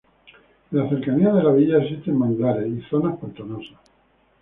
En las cercanías de la villa existen manglares, y zonas pantanosas.